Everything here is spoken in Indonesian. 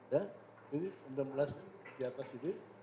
ya ini m enam belas di atas ini